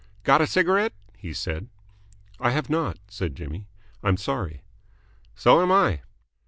"Got a cigarette?" he said. "I have not," said Jimmy. "I'm sorry." "So am I."